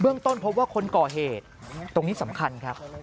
ต้นพบว่าคนก่อเหตุตรงนี้สำคัญครับ